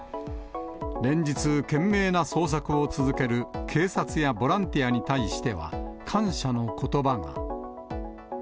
連日、懸命な捜索を続ける警察やボランティアに対しては、感謝のことばが。